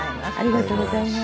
ありがとうございます。